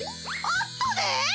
あったで！